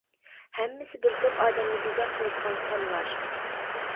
ھەممىسى بىر توپ ئادەمنى بىزار قىلىدىغان سانلار.